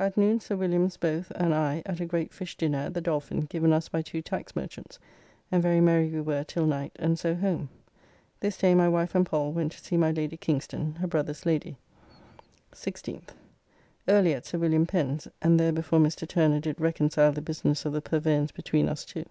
At noon Sir Williams both and I at a great fish dinner at the Dolphin, given us by two tax merchants, and very merry we were till night, and so home. This day my wife and Pall went to see my Lady Kingston, her brother's lady. 16th. Early at Sir Wm. Pen's, and there before Mr. Turner did reconcile the business of the purveyance between us two.